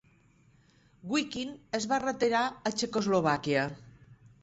Wiking es va retirar a Txecoslovàquia.